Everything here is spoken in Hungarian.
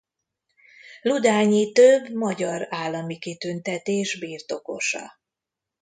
Ludányi több magyar állami kitüntetés birtokosa.